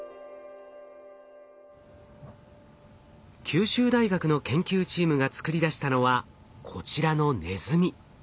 九州大学の研究チームが作り出したのはこちらのネズミ。